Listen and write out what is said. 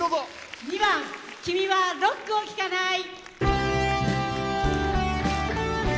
２番「君はロックを聴かない」。